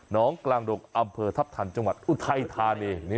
น้องกลางดกอำเภอทัพทันจังหวัดอุทัยธานี